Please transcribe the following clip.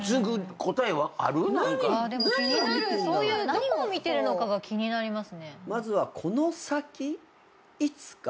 どこを見てるのかが気になります。